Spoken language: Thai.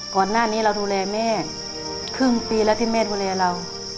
ก่อนหน้านี้เราดูแลแม่ครึ่งปีแล้วที่แม่ดูแลเรา